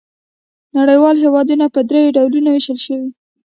نړیوال هېوادونه په درې ډولونو وېشل شوي.